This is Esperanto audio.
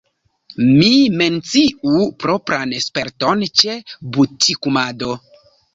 Mi menciu propran sperton ĉe butikumado.